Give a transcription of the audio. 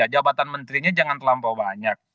jabatan menterinya jangan terlampau banyak